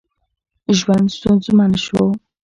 ژوند ستونزمن شو.